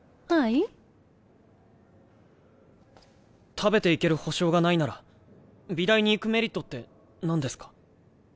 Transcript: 食べていける保証がないなら美大に行くメリットってなんですか？